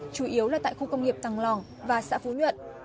chủ yếu là tại khu công nghiệp tàng long và xã phú nhuận